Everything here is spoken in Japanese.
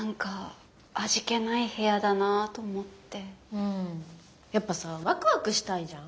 うんやっぱさワクワクしたいじゃん。